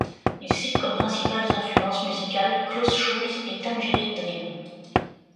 Il cite comme principales influences musicales Klaus Schulze et Tangerine Dream.